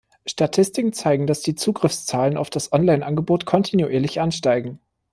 Statistiken zeigen, dass die Zugriffszahlen auf das Onlineangebot kontinuierlich ansteigen.